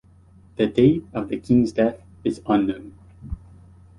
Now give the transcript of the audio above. The date of the king's death is unknown.